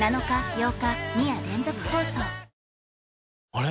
あれ？